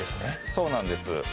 そうなんです。